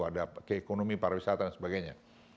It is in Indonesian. ada keekonomi pariwisata dan sebagainya